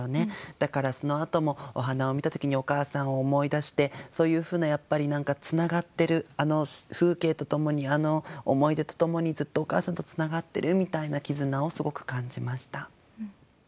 だからそのあともお花を見た時にお母さんを思い出してそういうふうなつながってるあの風景とともにあの思い出とともにずっとお母さんとつながってるみたいな絆をすごく感じました。